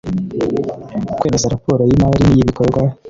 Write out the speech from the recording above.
Kwemeza raporo y imari n iy ibikorwa